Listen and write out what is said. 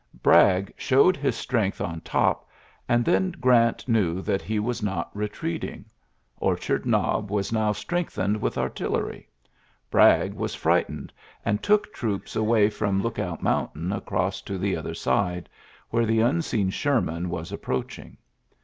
Bragg showed his strength on top, and then Grant knew that he was not retreating. Orchard Knob was now strengthened with artiQery. Bragg was jfrightened, and took troops away from Lookout Mountain across to the other side, where the unseen Sherman was approaching.